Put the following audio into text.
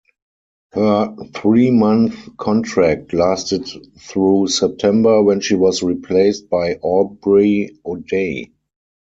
Her three-month contract lasted through September, when she was replaced by Aubrey O'Day.